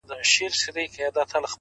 • څه سړي وه څه د سپيو هم غپا سوه ,